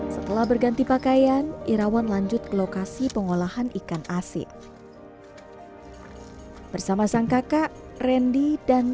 setelah berganti pakaian irawan lanjut lokasi pengolahan ikan asyik bersama sang kakak rendi dan